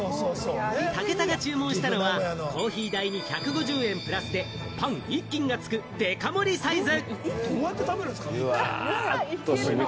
武田が注文したのはコーヒー代に１５０円プラスで、パン１斤がつくデカ盛りサイズ。